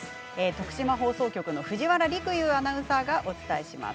徳島放送局の藤原陸遊アナウンサーがお伝えします。